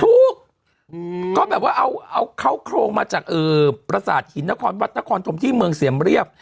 ถูกก็แบบว่าเอาเขาโครงมาจากประสาทหินนครวัดนครธมที่เมืองเสี่ยมเรียบ